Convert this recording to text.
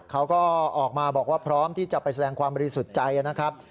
เขาก็ออกมาบอกว่าพร้อมที่จะไปแสดงความบริสุทธิ์ใจนะครับ